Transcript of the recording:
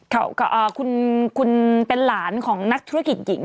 เขาคุณเป็นหลานของนักธุรกิจหญิง